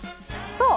そう！